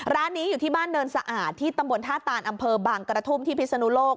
ร้านนี้อยู่ที่บ้านเนินสะอาดที่ตำบลท่าตานอำเภอบางกระทุ่มที่พิศนุโลก